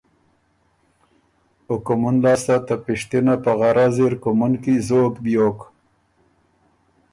او کُومُن لاسته ته پِشتِنه په غرض اِر کُومُن کی زوک بیوک۔